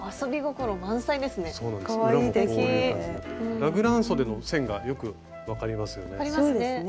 ラグランそでの線がよく分かりますよね。